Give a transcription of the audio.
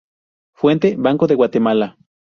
Fuente: Banco de Guatemala